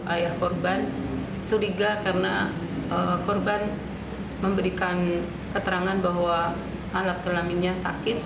ayah korban curiga karena korban memberikan keterangan bahwa alat kelaminnya sakit